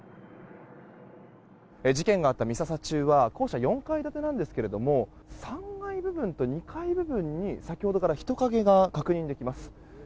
事件があった美笹中は校舎は４階建てなんですが３階部分と２階部分に先ほどから人影が確認できます。